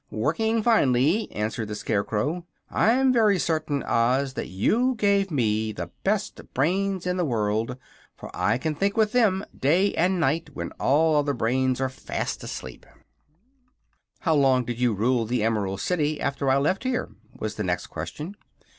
"Working finely," answered the Scarecrow. "I'm very certain, Oz, that you gave me the best brains in the world, for I can think with them day and night, when all other brains are fast asleep." [Illustration: DOROTHY AND OZMA.] "How long did you rule the Emerald City, after I left here?" was the next question.